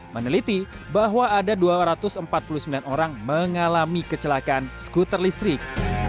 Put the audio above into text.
meneliti bahwa ada dua ratus empat puluh sembilan orang mengalami kecelakaan skuter listrik